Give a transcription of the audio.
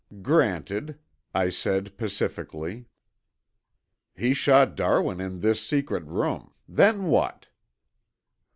"Granted," I said pacifically. "He shot Darwin in this secret room. Then what?"